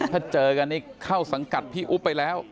ถ้าเจอกันนี่เข้าสังกัดพี่อุ๊บไปแล้ว